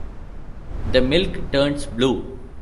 The milk turns blue!